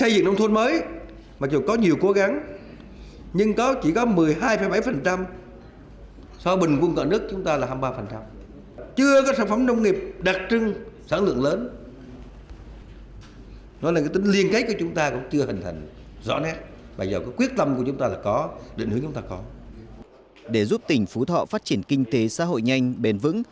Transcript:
để giúp tỉnh phú thọ phát triển kinh tế xã hội nhanh bền vững